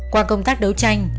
qua công tác đấu tranh